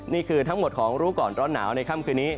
นี่คือทั้งหมดของรู้ก่อนร้อนหนาวในค่ำคืนนี้